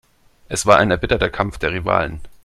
Es war ein erbitterter Kampf der Rivalen.